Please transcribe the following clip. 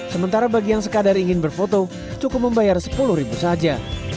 sementara bagi yang sekadar ingin berfoto cukup membayar sepuluh ribu saja